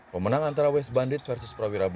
pemenang antara west bandit versus prawira